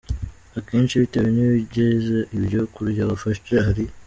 Akenshi bitewe n’ibigize ibyo kurya wafashe, hari